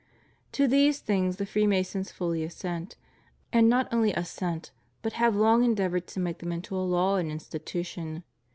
To these things the Freemasons fully assent; and not only assent, but have long endeavored to make them into a law and institution.